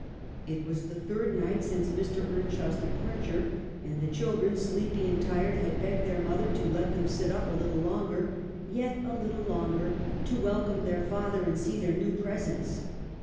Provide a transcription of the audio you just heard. It was the third night since Mr. Earnshaw's departure, and the children, sleepy and tired, had begged their mother to let them sit up a little longer — yet a little longer — to welcome their father, and see their new presents.